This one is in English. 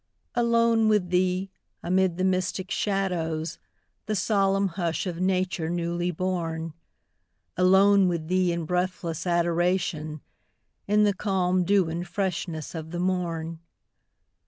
Alone with Thee, amid the mystic shadows, The solemn hush of nature newly born; Alone with Thee in breathless adoration, In the calm dew and freshness of the morn.